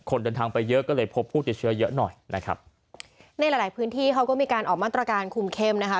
คนเดินทางไปเยอะก็เลยพบผู้ติดเชื้อเยอะหน่อยนะครับในหลายหลายพื้นที่เขาก็มีการออกมาตรการคุมเข้มนะคะ